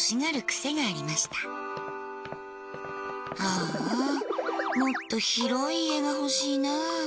あもっと広い家が欲しいな。